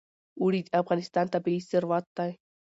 اوړي د افغانستان طبعي ثروت دی.